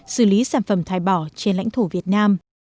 xử lý sản phẩm thải bỏ trên lãnh thổ việt nam